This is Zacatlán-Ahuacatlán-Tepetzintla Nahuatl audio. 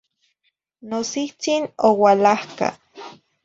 Nosihtzin oualahca